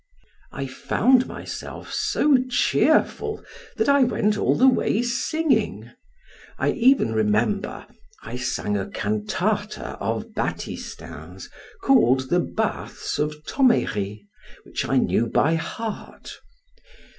I found myself so cheerful that I went all the way singing; I even remember I sang a cantata of Batistin's called the Baths of Thomery, which I knew by heart.